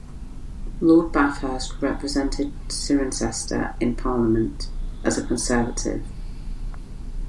Lord Bathurst represented Cirencester in Parliament as a Conservative.